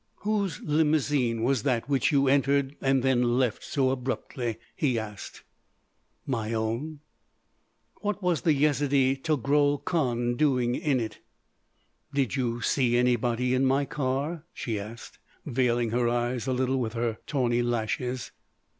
"Whose limousine was that which you entered and then left so abruptly?" he asked. "My own." "What was the Yezidee Togrul Kahn doing in it?" "Did you see anybody in my car?" she asked, veiling her eyes a little with their tawny lashes.